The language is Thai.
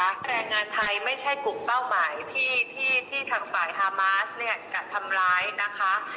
แรงงานไทยไม่ใช่กลุ่มเป้าหมายที่ที่ทางฝ่ายฮามาสเนี่ยจะทำร้ายนะคะ